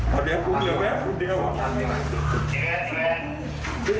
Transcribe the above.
พอเดี๋ยวคุณเดี๋ยวแม่คุณเดี๋ยว